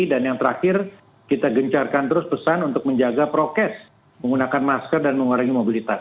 dan yang terakhir kita gencarkan terus pesan untuk menjaga prokes menggunakan masker dan mengurangi mobilitas